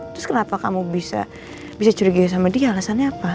terus kenapa kamu bisa curiga sama dia alasannya apa